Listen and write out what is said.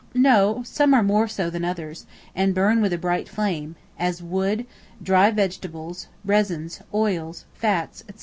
No; some are more so than others, and burn with a bright flame; as wood, dry vegetables, resins, oils, fats, &c.